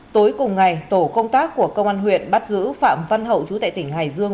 tối cùng ngày tổ công tác của công an huyện bắt giữ phạm văn hậu chú tại tỉnh hải dương